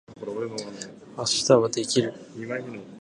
明日はできる？